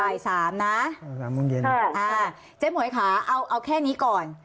บ่ายสามนะบ่ายสามโมงเย็นเจ๊หมวยค่ะเอาเอาแค่นี้ก่อน